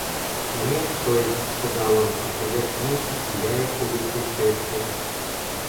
Мне, то есть, — сказал он, подходя к ней и сияя улыбкой счастья.